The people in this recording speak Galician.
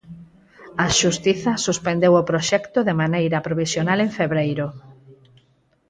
A Xustiza suspendeu o proxecto de maneira provisional en febreiro.